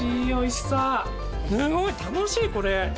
すごい楽しいこれ。